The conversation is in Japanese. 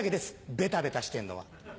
ベタベタしてんのは。